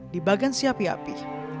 di bagan siapiapi